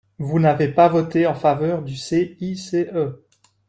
Vous n’avez pas voté en faveur du CICE